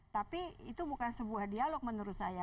tapi itu bukan sebuah dialog menurut saya